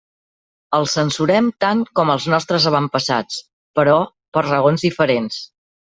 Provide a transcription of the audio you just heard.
El censurem tant com els nostres avantpassats, però per raons diferents.